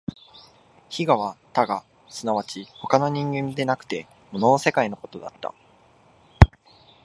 非我は他我即ち他の人間でなくて物の世界のことであった。